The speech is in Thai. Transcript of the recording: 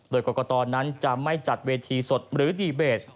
โดยกรกตนั้นจะไม่จัดเวทีสดหรือดีเบต